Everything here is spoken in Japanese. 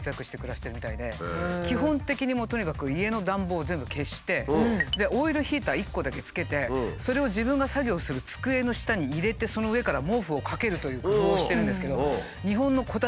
基本的にとにかく家の暖房を全部消してオイルヒーター１個だけつけてそれを自分が作業する机の下に入れてその上から毛布をかけるという工夫をしてるんですけど。